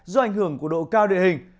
do ảnh hưởng của độ cao địa hình